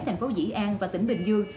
thành phố dĩ an và tỉnh bình dương